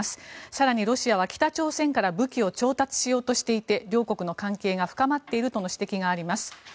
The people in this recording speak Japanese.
更に、ロシアは北朝鮮から武器を調達しようとしていて両国の関係が深まっているとの指摘もあります。